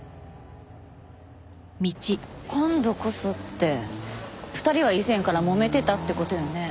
「今度こそ」って２人は以前からもめてたって事よね？